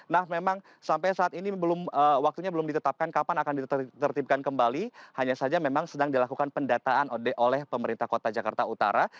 nah memang sampai saat ini waktunya belum ditetapkan kapan akan ditertibkan kembali hanya saja memang sedang dilakukan pendataan oleh pemerintah kota jakarta utara